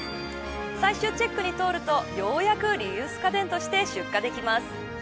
最終チェックに通るとようやくリユース家電として出荷できます。